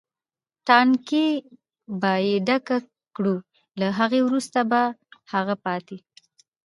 ټانکۍ به یې ډکې کړو، له هغه وروسته به هغه پاتې.